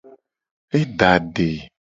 E da ade.